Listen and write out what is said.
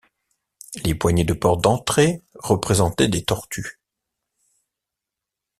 Les poignées de portes d'entrée représentaient des tortues.